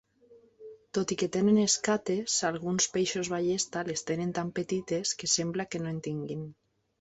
Tot i que tenen escates, alguns peixos ballesta les tenen tan petites que sembla que no en tinguin.